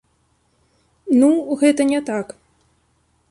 Ну, гэта не так.